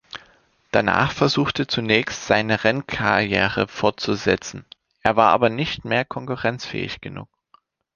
Danach versuchte zunächst, seine Rennkarriere fortzusetzen, er war aber nicht mehr konkurrenzfähig genug.